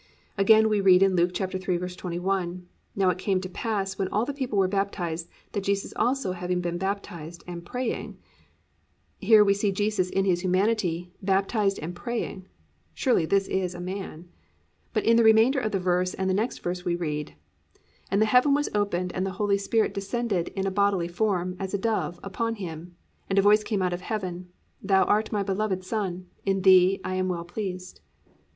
Again we read in Luke 3:21, +"Now it came to pass, when all the people were baptised, that Jesus also having been baptised, and praying, ..."+ Here we see Jesus in His humanity, baptised and praying. Surely this is a man. But in the remainder of the verse and in the next verse we read, +"And the heaven was opened, and the Holy Spirit descended in a bodily form, as a dove, upon him, and a voice came out of heaven, Thou art my beloved Son; in thee I am well pleased."